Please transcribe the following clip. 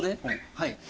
はい。